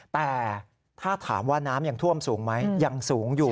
แต่ถ้าถามว่าน้ำยังท่วมสูงไหมยังสูงอยู่